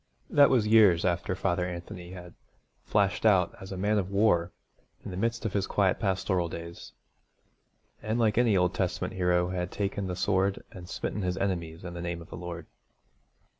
That was years after Father Anthony had flashed out as a man of war in the midst of his quiet pastoral days, and like any Old Testament hero had taken the sword and smitten his enemies in the name of the Lord.